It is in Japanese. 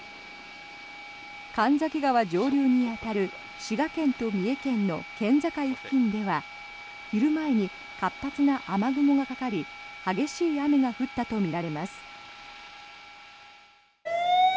神崎川上流に当たる滋賀県と三重県の県境付近では昼前に活発な雨雲がかかり激しい雨が降ったとみられます。